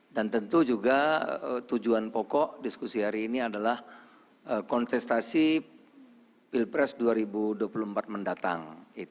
dan tentu juga tujuan pokok diskusi hari ini adalah kontestasi pilpres dua ribu dua puluh empat mendatang